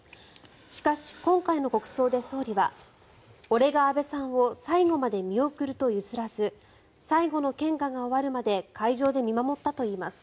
しかし、今回の国葬で総理は俺が安倍さんを最後まで見送ると譲らず最後の献花が終わるまで会場で見守ったといいます。